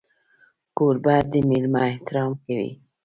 کوربه د مېلمه احترام کوي.